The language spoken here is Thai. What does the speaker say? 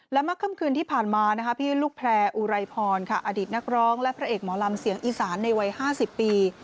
และเมื่อค่ำคืนที่ผ่านมาพี่ลูกแพร่อุไรพรอดีตนักร้องและพระเอกหมอลำเสียงอีสานในวัย๕๐ปี